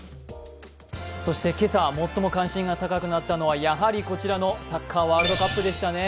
今朝最も関心が高くなったのはやはりこちらのサッカーワールドカップでしたね。